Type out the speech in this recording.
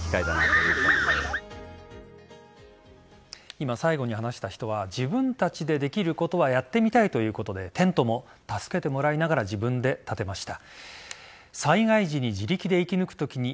今、最後に話した人は自分たちでできることはやってみたいということでテントも、助けてもらいながら自分で立てました。